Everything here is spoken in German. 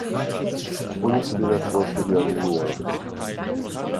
Bundesliga-Tor für die Arminia.